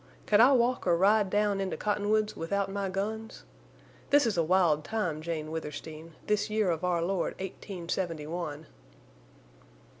Could I walk or ride down into Cottonwoods without my guns? This is a wild time, Jane Withersteen, this year of our Lord eighteen seventy one."